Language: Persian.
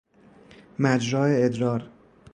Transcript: مجرا ادرار